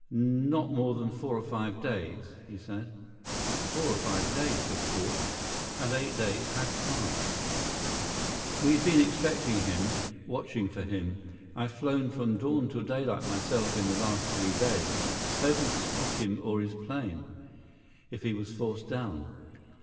Not more than four or five days, he said." Four or five days, Biff thought. And eight days had passed. 46 "We've been expecting him, Watching for him. I've flown from dawn to daylight myself the last three days, hoping to spot him or his plane, if he was forced down.